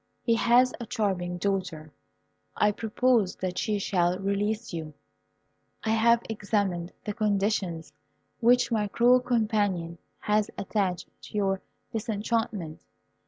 He has a charming daughter. I propose that she shall release you. I have examined the conditions which my cruel companion has attached to your disenchantment.